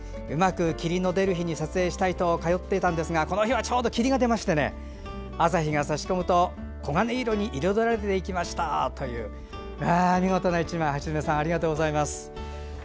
うまく霧の出る日に撮影したいと通っていたんですがこの日はちょうど霧が出まして朝日がさし込むと、黄金色に彩られていきましたという見事な１枚橋爪さんありがとうございます。